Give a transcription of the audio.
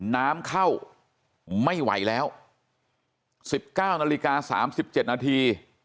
น้ำเข้าไม่ไหวแล้ว๑๙นาฬิกา๓๗นาที